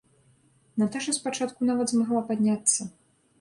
Наташа спачатку нават змагла падняцца.